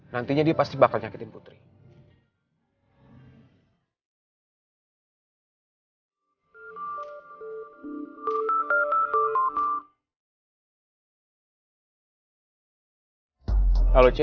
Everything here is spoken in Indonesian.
nantinya dia pasti bakal nyakitin putri